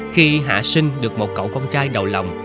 khi hạ sinh được một cậu con trai đầu lòng